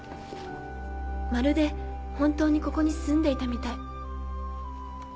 まるで本当にここに住んでいたみたい。